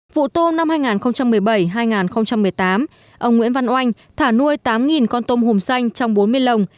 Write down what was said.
vụ tôm năm hai nghìn một mươi bảy hai nghìn một mươi tám ông nguyễn văn oanh thả nuôi tám con tôm hùm xanh trong bốn mươi lồng